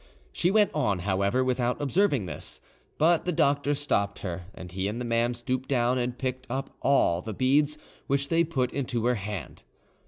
She went on, however, without observing this; but the doctor stopped her, and he and the man stooped down and picked up all the beads, which they put into her hand.